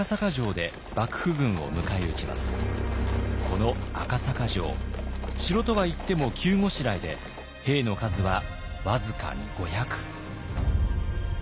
この赤坂城城とはいっても急ごしらえで兵の数はわずかに５００。